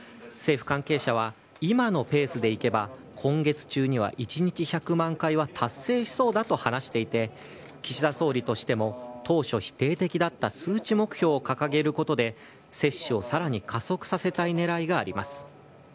政府関係者は、今のペースでいけば、今月中には１日１００万回は達成しそうだと話していて、岸田総理としても、当初否定的だった数値目標を掲げることで、接種をさらに加速させたいねらいがあります。